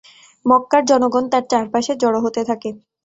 মক্কার জনগণ তার চারপাশে জড়ো হতে থাকে।